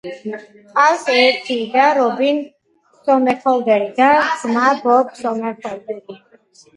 ჰყავს ერთი და რობინ სომერჰოლდერი და ძმა ბობ სომერჰოლდერი.